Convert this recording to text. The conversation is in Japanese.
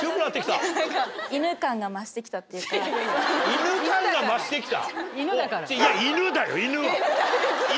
犬感が増してきた？